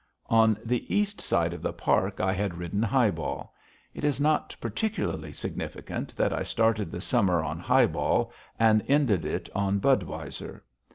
On the east side of the Park I had ridden Highball. It is not particularly significant that I started the summer on Highball and ended it on Budweiser.